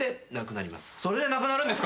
それで亡くなるんですか？